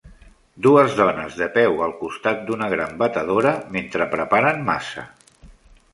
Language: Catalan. Dues dones de peu al costat d'una gran batedora mentre preparen massa.